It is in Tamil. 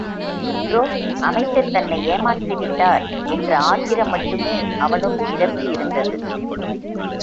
இன்றோ அமைச்சர் தன்னை ஏமாற்றிவிட்டார் என்ற ஆத்திரம் மட்டுமே அவனுள் நிரம்பியிருந்தது.